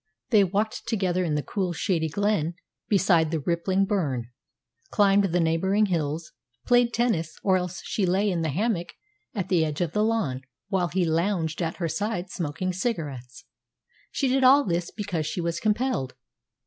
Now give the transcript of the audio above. They walked together in the cool, shady glen beside the rippling burn, climbed the neighbouring hills, played tennis, or else she lay in the hammock at the edge of the lawn while he lounged at her side smoking cigarettes. She did all this because she was compelled.